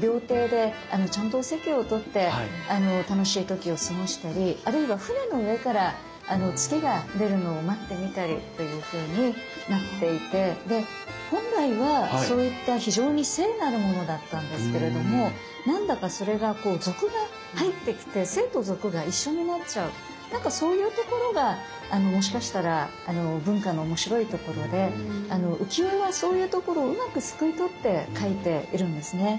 料亭でちゃんとお席を取って楽しい時を過ごしたりあるいは船の上から月が出るのを待ってみたりというふうになっていて本来はそういった非常に聖なるものだったんですけれども何だかそれが俗が入ってきてなんかそういうところがもしかしたら文化の面白いところで浮世絵はそういうところをうまくすくい取って描いているんですね。